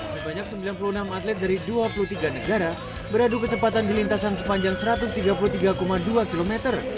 sebanyak sembilan puluh enam atlet dari dua puluh tiga negara beradu kecepatan di lintasan sepanjang satu ratus tiga puluh tiga dua km